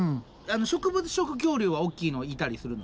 植物食恐竜は大きいのいたりするの？